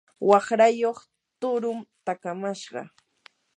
waqrayuq tuurun takamashqa.